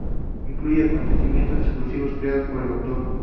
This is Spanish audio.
Incluye acontecimientos exclusivos, creados por el autor.